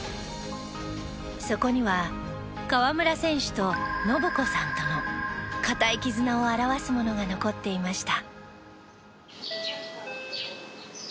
そこには河村選手と信子さんとの固い絆を表すものが残っていました。